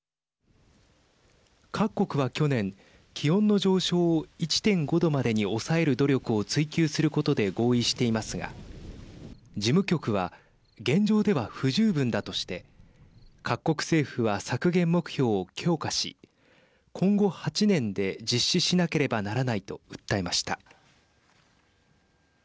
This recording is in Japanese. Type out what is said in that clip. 各国は去年気温の上昇を１．５度までに抑える努力を追及することで合意していますが事務局は現状では不十分だとして各国政府は削減目標を強化し今後８年で実施しなければならないと訴えました。